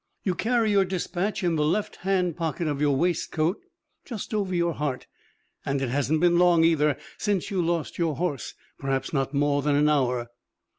You carry your dispatch in the left hand pocket of your waistcoat, just over your heart. And it hasn't been long, either, since you lost your horse, perhaps not more than an hour."